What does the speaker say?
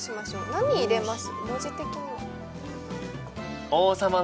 何入れます？